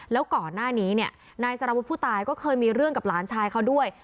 แล้วก่อนหน้านี้เนี่ยนายสารวุฒิผู้ตายก็เคยมีเรื่องกับหลานชายเขาด้วย